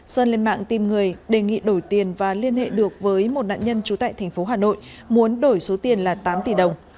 sơn lên mạng tìm người đề nghị đổi tiền và liên hệ được với một nạn nhân trú tại thành phố hà nội muốn đổi số tiền là tám tỷ đồng